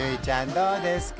どうですか？